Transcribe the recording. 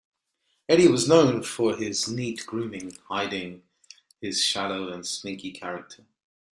Eddie was known for his neat grooming-hiding his shallow and sneaky character.